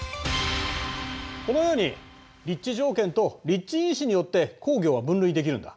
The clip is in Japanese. このように立地条件と立地因子によって工業は分類できるんだ。